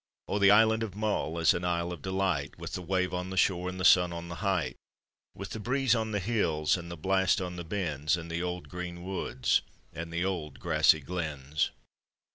] O the island of Mull is an isle of delight, With the wave on the shore and the sun on the height, With the breeze on the hills, and the blast on the Bens, And the old green woods, and the old grassy glens.